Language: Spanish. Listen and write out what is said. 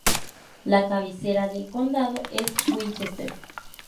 La cabecera del condado es Winchester.